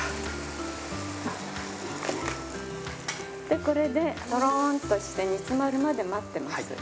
でこれでトローンとして煮詰まるまで待ってます。